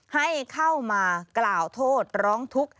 ให้เข้ามากล่าวโทษร้องทุกข์